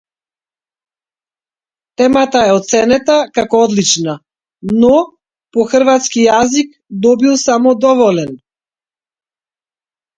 Темата е оценета како одлична, но по хрватски јазик добил само доволен.